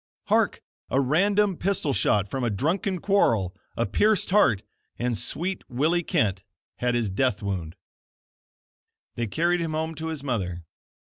Hark! a random pistol shot from a drunken quarrel, a pierced heart, and sweet Willie Kent had his death wound They carried him home to his mother.